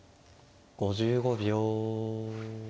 ５５秒。